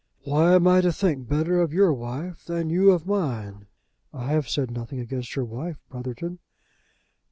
Why am I to think better of your wife than you of mine?" "I have said nothing against your wife, Brotherton."